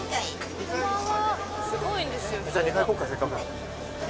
こんばんは。